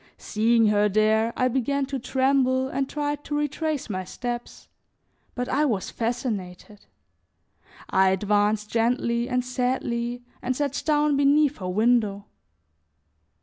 Seeing her there I began to tremble and tried to retrace my steps, but I was fascinated; I advanced gently and sadly and sat down beneath her window.